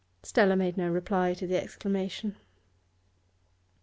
Stella made no reply to the exclamation.